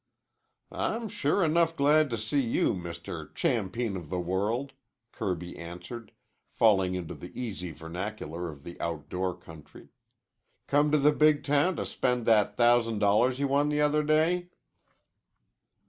"I'm sure enough glad to see you, Mr. Champeen of the World," Kirby answered, falling into the easy vernacular of the outdoor country. "Come to the big town to spend that thousand dollars you won the other day?"